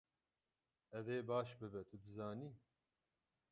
Ev ê baş bibe, tu dizanî.